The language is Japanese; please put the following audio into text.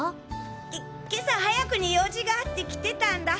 け今朝早くに用事があって来てたんだ。